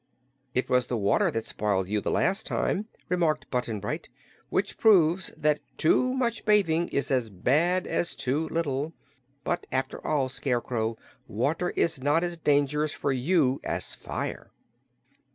"It was water that spoiled you, the last time," remarked Button Bright, "which proves that too much bathing is as bad as too little. But, after all, Scarecrow, water is not as dangerous for you as fire."